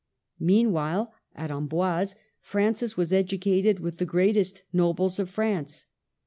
Meanwhile, at Amboise, Francis was educated with the greatest nobles of France.